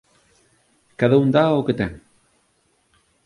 Cada un dá o que ten.